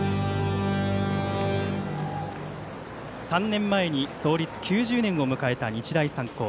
３年前に創立９０年を迎えた日大三高。